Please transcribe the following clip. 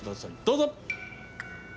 どうぞ。